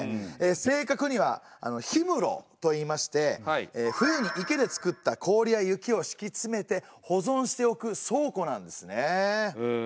正確には「氷室」と言いまして冬に池で作った氷や雪を敷き詰めて保存しておく倉庫なんですね。